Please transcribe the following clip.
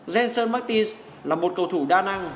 jenson martins là một cầu thủ đa năng